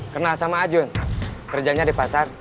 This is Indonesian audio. kenal sama ajun kerjanya di pasar